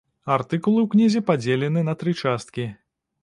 Артыкулы ў кнізе падзелены на тры часткі.